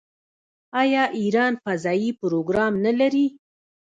آیا ایران فضايي پروګرام نلري؟